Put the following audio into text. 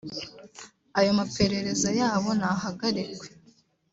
Ayo maperereza yabo nahagarikwe